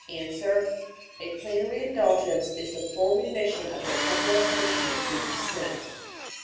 A. A Plenary Indulgence is the full remission of the temporal punishment due to sin.